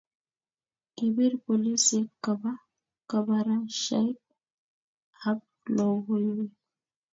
kipir polisek kabarashaik ab lokoiywek